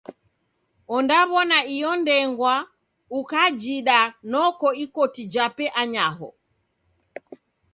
Ondaw'ona iyo ndengwa, ukajida noko ikoti jape anyaho.